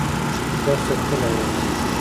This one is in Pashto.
دښته تل حیرانونکې وي.